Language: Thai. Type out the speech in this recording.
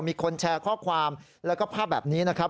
มีคนแชร์ข้อความแล้วก็ภาพแบบนี้นะครับ